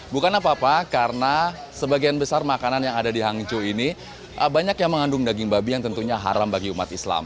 bukan apa apa karena sebagian besar makanan yang ada di hangzhou ini banyak yang mengandung daging babi yang tentunya haram bagi umat islam